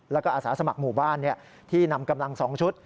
แล้วก็อาสาสมัครหมู่บ้านที่นำกำลัง๒ชุด